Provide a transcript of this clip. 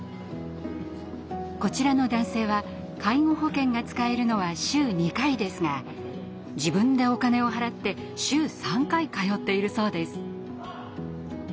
こちらの男性は介護保険が使えるのは週２回ですが自分でお金を払って週３回通っているそうです。